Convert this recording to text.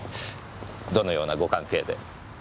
どのようなご関係で？